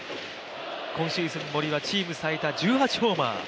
今シーズン森はチーム最多１８ホーマー。